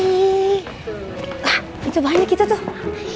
ah itu banyak itu tuh